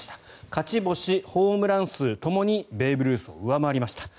勝ち星、ホームラン数ともにベーブ・ルースを上回りました。